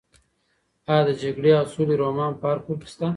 ایا د جګړې او سولې رومان په هر کور کې شته؟